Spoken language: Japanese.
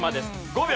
５秒。